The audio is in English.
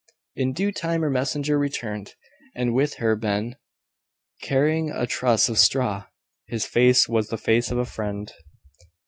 In due time her messenger returned; and with her Ben, carrying a truss of straw. His face was the face of a friend.